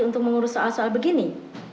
untuk mengurus soal soal begini